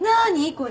これ。